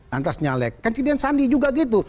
nanti nyalek kan kejadian sandi juga gitu